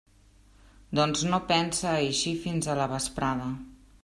Doncs no pense eixir fins a la vesprada.